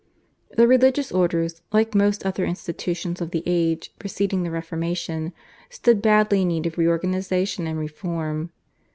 The religious orders, like most other institutions of the age preceding the Reformation, stood badly in need of re organisation and reform.